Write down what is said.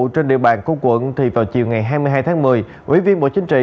trên địa bàn của quận thì vào chiều ngày hai mươi hai tháng một mươi ủy viên bộ chính trị